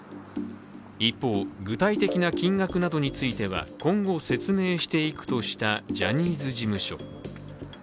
一方、具体的な金額などについては今後、説明していくとしたジャニーズ事務所。